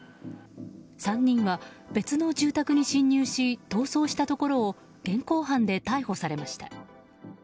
３人は別の住宅に侵入し逃走したところを現行犯で逮捕されました。